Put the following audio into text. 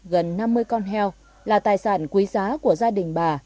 gần năm mươi con heo là tài sản quý giá của gia đình bà